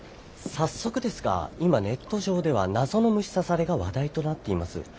早速ですが今ネット上では謎の虫刺されが話題となっています。